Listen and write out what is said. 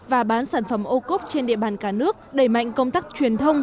và bán sản phẩm ô cốp trên địa bàn cả nước đẩy mạnh công tác truyền thông